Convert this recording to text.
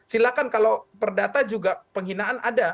silakan kalau perdata juga penghinaan ada